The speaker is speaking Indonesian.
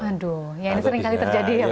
aduh ya ini sering kali terjadi ya pak ya